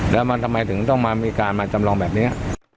แล้วมันทำไมถึงต้องมามีการมาจำลองแบบนี้